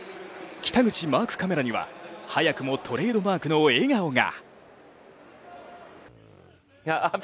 北口マークカメラには、早くもトレードマークの笑顔が。